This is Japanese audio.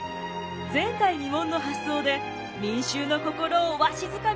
前代未聞の発想で民衆の心をわしづかみにします。